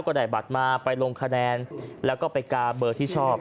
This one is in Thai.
ได้บัตรมาไปลงคะแนนแล้วก็ไปกาเบอร์ที่ชอบ